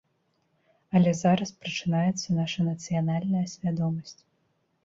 Але зараз прачынаецца наша нацыянальная свядомасць.